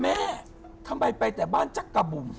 แม่ทำไมไปแต่บ้านจักรบุ๋ม